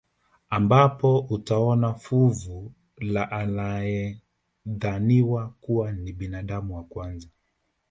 Ambapo utaona fuvu la anayedhaniwa kuwa ni binadamu wa kwanza